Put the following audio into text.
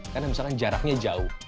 karena misalkan jaraknya jauh